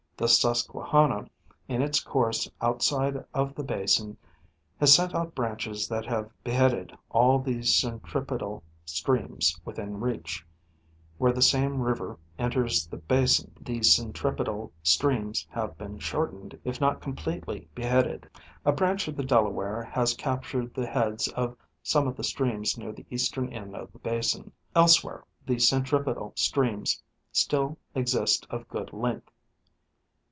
The Susquehanna in its course outside of the basin has sent out branches that have beheaded all the centri petal streams within reach ; where the same river enters the basin, the centripetal streams have been shortened if not com pletely beheaded. A branch of the Delaware has captured the heads of some of the streams near the eastern end of the basin. Elsewhere, the centripetal streams still exist of good length.